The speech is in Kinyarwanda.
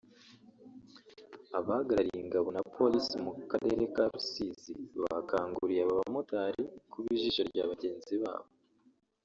Abahagarariye Ingabo na Police mu karere ka Rusizi bakanguriye aba bamotari kuba ijisho rya bagenzi babo